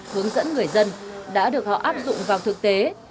hướng dẫn người dân đã được họ áp dụng vào thực tế